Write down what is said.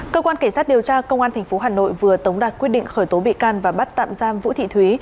cơ quan cảnh sát điều tra công an tp hà nội vừa tống đạt quyết định khởi tố bị can và bắt tạm giam vũ thị thúy